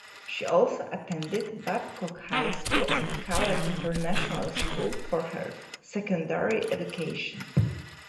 She also attended Babcock High School and Caleb International School for her secondary education.